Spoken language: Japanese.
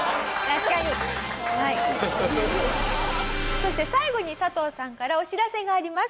そして最後に佐藤さんからお知らせがあります。